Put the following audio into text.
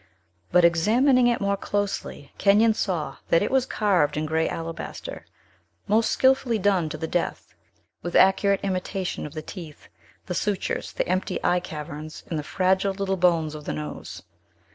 But, examining it more closely, Kenyon saw that it was carved in gray alabaster; most skillfully done to the death, with accurate imitation of the teeth, the sutures, the empty eye caverns, and the fragile little bones of the nose.